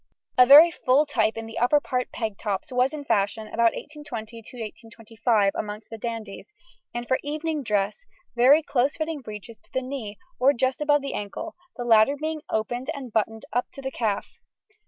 A very full type in the upper part peg tops, was in fashion about 1820 25 amongst the dandies, and for evening dress, very close fitting breeches to the knee, or just above the ankle, the latter being opened and buttoned up to the calf.